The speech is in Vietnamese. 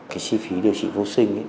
cái chi phí điều trị vô sinh